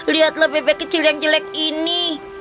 lihatlah bebek kecil yang jelek ini